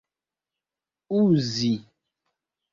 uzi